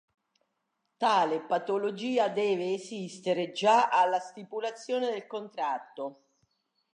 Tale patologia deve esistere già alla stipulazione del contratto.